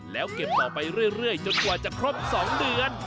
แล้วเก็บต่อไปเรื่อยจนกว่าจะครบ๒เดือน